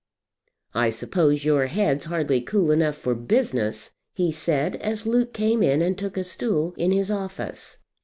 "I suppose your head's hardly cool enough for business," he said, as Luke came in and took a stool in his office.